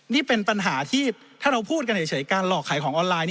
นี่เป็นปัญหาที่ถ้าเราพูดกันเฉยการหลอกขายของออนไลน์